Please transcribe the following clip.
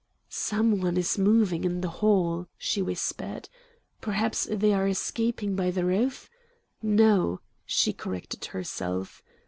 "Some one is moving in the hall," she whispered. "Perhaps they are escaping by the roof? No," she corrected herself.